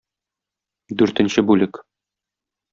Дүртенче бүлек.